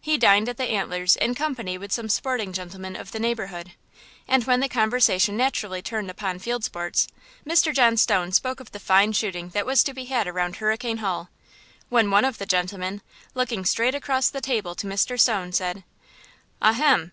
He dined at the Antlers in company with some sporting gentlemen of the neighborhood, and when the conversation naturally turned upon field sports, Mr. John Stone spoke of the fine shooting that was to be had around Hurricane Hall, when one of the gentleman, looking straight across the table to Mr. Stone, said: "Ahem!